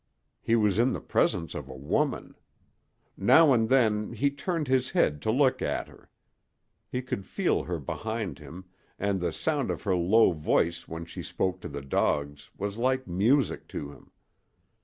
He was in the presence of a woman. Now and then he turned his head to look at her. He could feel her behind him, and the sound of her low voice when she spoke to the dogs was like music to him.